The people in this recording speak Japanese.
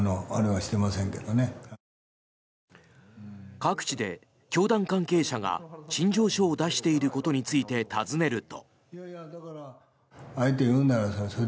各地で教団関係者が陳情書を出していることについて尋ねると。